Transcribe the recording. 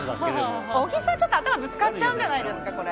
小木さん、ちょっと頭ぶつかっちゃうんじゃないですか